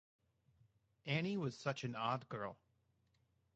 Anne was such an odd girl.